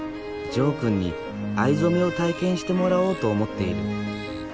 ジョーくんに藍染めを体験してもらおうと思っている。